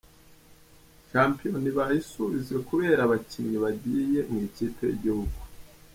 Shampiyona ibaye isubitswe kubera abakinnyi bagiye mw’ikipe y’Igihugu.